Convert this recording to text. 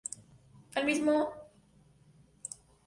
Así mismo, Isabel Noboa tiene trayectoria en iniciativas de filantropía.